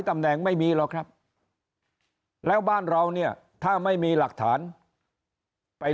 ตำแหน่งไม่มีหรอกครับแล้วบ้านเราเนี่ยถ้าไม่มีหลักฐานไป